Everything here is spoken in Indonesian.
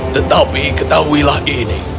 tetapi ketahuilah ini